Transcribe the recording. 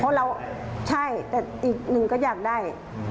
เพราะเราใช่แต่อีกหนึ่งก็อยากได้